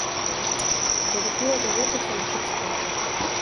Зарупіла даведацца, у чым справа.